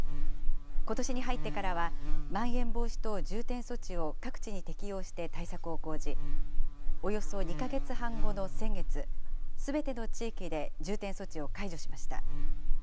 ことしに入ってからは、まん延防止等重点措置を各地に適用して対策を講じ、およそ２か月半後の先月、すべての地域で重点措置を解除しました。